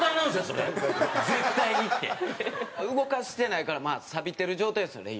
動かしてないからまあサビてる状態ですよね